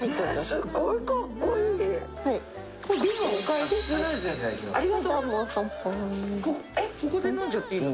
えっここで飲んじゃっていいの？